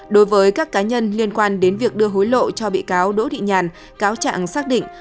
đối với các cá nhân liên quan đến việc đưa hối lộ cho bị cáo đỗ thị nhàn cáo trạng xác định